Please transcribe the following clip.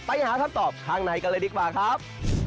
ไปหาทักตอบทางไหนกันเลยดีกว่าครับ